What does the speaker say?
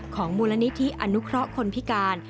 ของมูลนิธิอนุเคราะห์คนพิการ